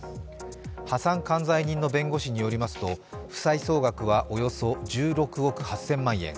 破産管財人の弁護士によりますと、負債総額はおよそ１６億８０００万円。